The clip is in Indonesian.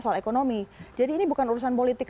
soal ekonomi jadi ini bukan urusan politik